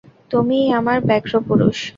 তুমিই আমার ব্যাঘ্রপুরুষ।